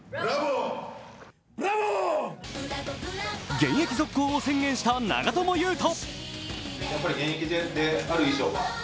現役続行を宣言した長友佑都。